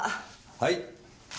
はい。